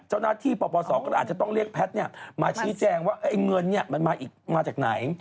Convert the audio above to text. เจ้าหน้าที่ปปศก็เลยอาจจะต้องเรียกแพทย์มาชี้แจงว่าไอ้เงินมันมาจากไหน